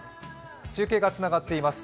中継がつながっています。